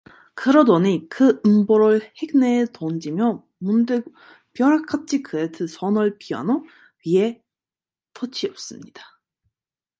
그러더니 그 음보를 홱 내어 던지며 문득 벼락같이 그의 두 손은 피아노 위에 덮치었습니다.